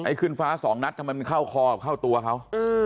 ขึ้นฟ้าสองนัดทำไมมันเข้าคอกับเข้าตัวเขา